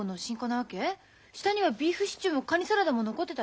下にはビーフシチューもカニサラダも残ってたよ。